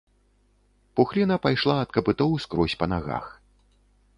Пухліна пайшла ад капытоў скрозь па нагах.